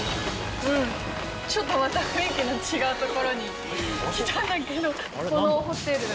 うんちょっとまた雰囲気の違う所に来たんだけど。